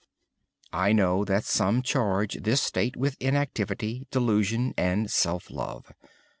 I know that some charge this state with inactivity, delusion, and self love.